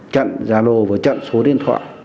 trận giá lô vừa trận